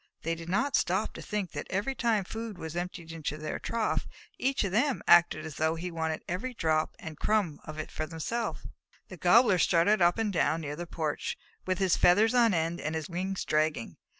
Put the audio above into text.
They did not stop to think that every time food was emptied into their trough, each of them acted as though he wanted every drop and crumb of it for himself. The Gobbler strutted up and down near the porch, with his feathers on end and his wings dragging.